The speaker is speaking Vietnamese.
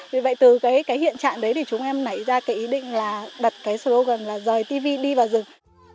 vì vậy từ cái hiện trạng đấy thì chúng em nảy ra cái ý định là đặt cái slogan là rời tv đi vào rừng